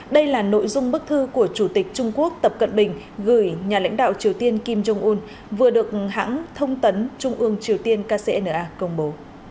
đây là nội dung bức thư của chủ tịch trung quốc tập cận bình gửi nhà lãnh đạo triều tiên kim jong un vừa được hãng thông tấn trung ương triều tiên kcna công bố